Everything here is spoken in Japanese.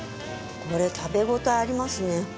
これ食べ応えありますね